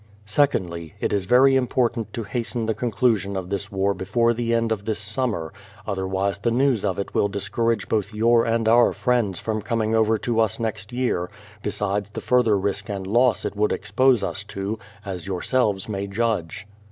Secondly, it is very important to hasten the conclusion of this war before the end of this summer, otherwise the news of it will discourage both your and our friends from coming over to us next year, besides the further risk and loss it would expose us to, as yourselves may judge.